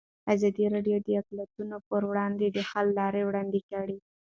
ازادي راډیو د اقلیتونه پر وړاندې د حل لارې وړاندې کړي.